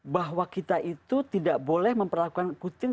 bahwa kita itu tidak boleh memperlakukan putin